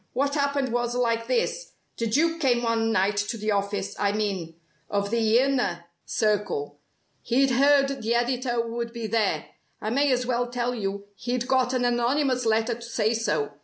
What happened was like this: The Duke came one night to the office I mean of the Inner Circle. He'd heard the editor would be there. I may as well tell you he'd got an anonymous letter to say so.